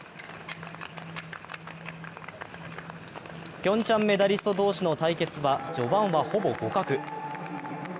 ピョンチャンメダリスト同士の対決は、序盤はほぼ互角。